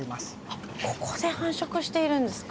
あっここで繁殖しているんですか？